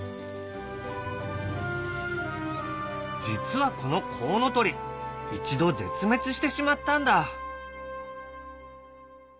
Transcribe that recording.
実はこのコウノトリ一度絶滅してしまったんだ。